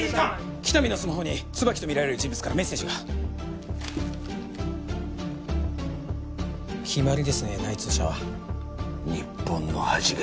喜多見のスマホに椿とみられる人物からメッセージが決まりですね内通者は日本の恥が！